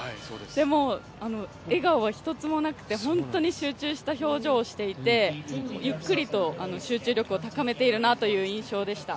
でも、笑顔は一つもなくて本当に集中した表情をしていてゆっくりと集中力を高めているなという印象でした。